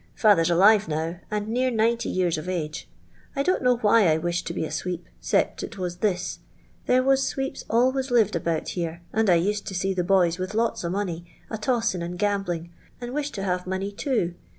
Father's alive now, and near 90 yean of age. I don't know why I wished to be a swee|>, o'pt it was this — there was sweeps always lived about here, nnd 1 used to see the boys with lots of money a tossin' and gamblin', and wished to have money too.